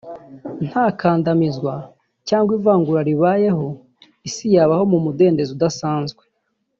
nta kandamizwa cyangwa ivangura ribayeho Isi yabaho mu mudendezo udasanzwe